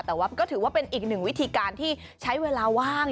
แต่ว่าก็ถือว่าเป็นอีกหนึ่งวิธีการที่ใช้เวลาว่าง